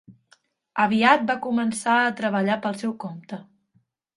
Aviat va començar a treballar pel seu compte.